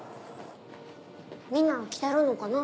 みんな来てるのかな？